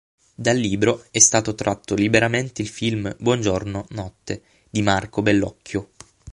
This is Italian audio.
Dal libro è stato tratto liberamente il film "Buongiorno, notte" di Marco Bellocchio.